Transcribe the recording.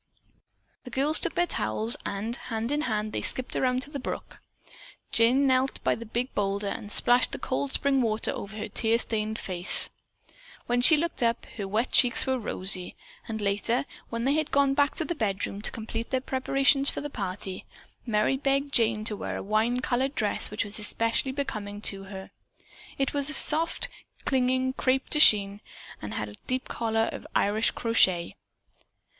The girls took their towels and hand in hand they skipped around to the brook. Jane knelt by the big boulder and splashed the cold spring water over her tear stained eyes. When she looked up her wet cheeks were rosy. And later, when they had gone back to the bedroom to complete their preparations for the party, Merry begged Jane to wear a wine colored dress which was especially becoming to her. It was of soft, clinging crepe de chine and had a deep collar of Irish crochet.